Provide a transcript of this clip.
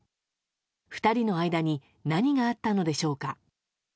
２人の間に何があったのでしょうか。